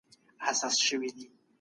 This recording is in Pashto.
غفلت ویره زیاتوي.